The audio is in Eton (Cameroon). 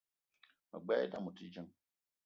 Me gbelé idam ote djeng